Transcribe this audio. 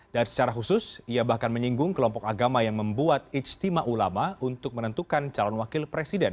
dan secara khusus ia bahkan menyinggung kelompok agama yang membuat istimewa ulama untuk menentukan calon wakil presiden